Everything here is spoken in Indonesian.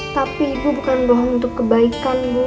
tapi ibu bukan bohong untuk kebaikan bu